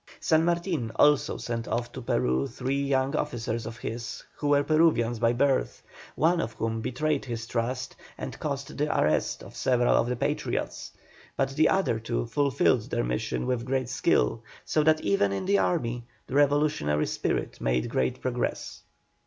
San Martin also sent off to Peru three young officers of his, who were Peruvians by birth, one of whom betrayed his trust, and caused the arrest of several of the Patriots; but the other two fulfilled their mission with great skill, so that even in the army the revolutionary spirit made great progress.